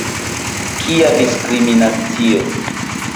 Kia diskriminacio